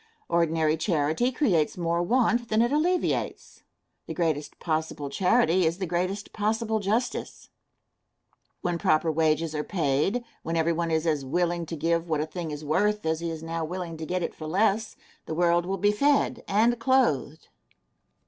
Ordinary charity creates more want than it alleviates. The greatest possible charity is the greatest possible justice. When proper wages are paid, when every one is as willing to give what a thing is worth as he is now willing to get it for less, the world will be fed and clothed.